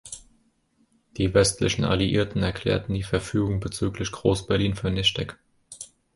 Die westlichen Alliierten erklärten die Verfügung bezüglich Groß-Berlin für nichtig.